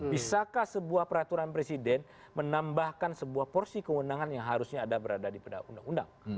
bisakah sebuah peraturan presiden menambahkan sebuah porsi kewenangan yang harusnya ada berada di pada undang undang